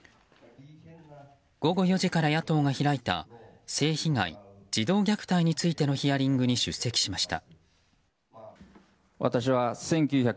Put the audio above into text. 午後４時から野党が開いた性被害・児童虐待についてのヒアリングに出席しました。